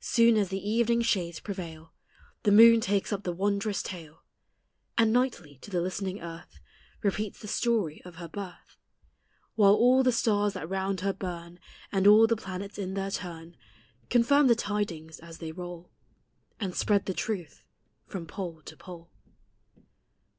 Soon as the evening shades prevail. The moon takes up the wondrous tale, 14 THE HIGHER LIFE. And nightly to the listening earth Repeats the story of her birth ; While all the stars that round her burn, And all the planets in their turn, Confirm the tidings as they roll, And spread the truth from pole to pole.